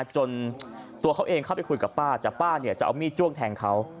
จนตัวเขาเองเข้าไปคุยกับป้าแต่ป้าจะเอามีดจ้วงแทงเขา